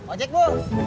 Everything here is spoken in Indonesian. oh jak bu